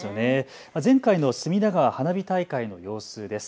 前回の隅田川花火大会の様子です。